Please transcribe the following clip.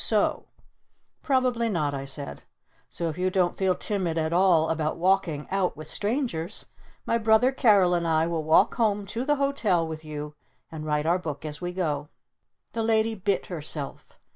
So " "Probably not," I said. "So if you don't feel timid at all about walking out with strangers, my brother Carol and I will walk home to the Hotel with you and write our book as we go." The Lady bit herself.